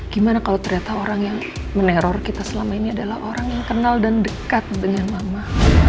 gimana kalau ternyata orang yang meneror kita selama ini adalah orang yang kenal dan dekat dengan mama